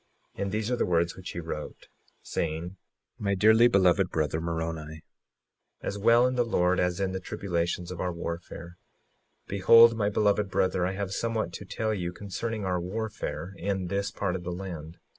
56:2 And these are the words which he wrote, saying: My dearly beloved brother, Moroni, as well in the Lord as in the tribulations of our warfare; behold, my beloved brother, I have somewhat to tell you concerning our warfare in this part of the land.